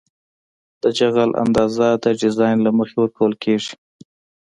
د جغل اندازه د ډیزاین له مخې ورکول کیږي